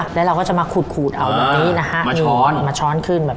คงมีค่าวมั้ยครับ